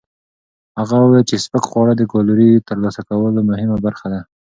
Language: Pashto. هغه وویل چې سپک خواړه د کالورۍ ترلاسه کولو مهمه برخه ده.